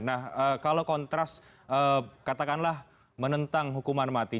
nah kalau kontras katakanlah menentang hukuman mati